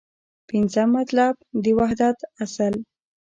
پنځم مطلب : د وحدت اصل